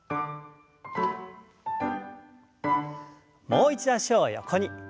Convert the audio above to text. もう一度脚を横に。